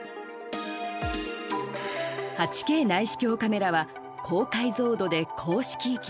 ８Ｋ内視鏡カメラは高解像度で高色域。